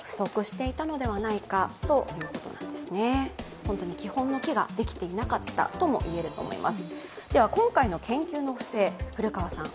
本当に基本のキができていなかったともいえると思います。